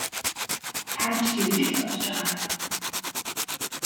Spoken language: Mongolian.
Та ч тэгж л бодож байгаа.